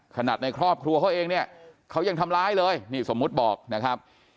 ในครอบครัวเขาเองเนี่ยเขายังทำร้ายเลยนี่สมมุติบอกนะครับ